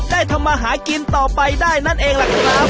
ทำมาหากินต่อไปได้นั่นเองล่ะครับ